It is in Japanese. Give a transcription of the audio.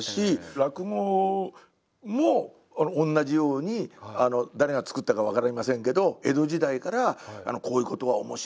落語も同じように誰が作ったか分かりませんけど江戸時代からこういうことは面白いな。